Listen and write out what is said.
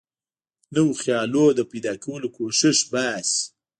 نویو خیالونو د پیدا کولو کوښښ باسي.